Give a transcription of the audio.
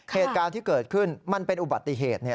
เหตุการณ์ที่เกิดขึ้นมันเป็นอุบัติเหตุเนี่ย